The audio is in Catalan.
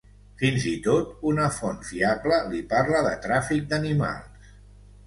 Fins i tot una font fiable li parla de tràfic d'animals.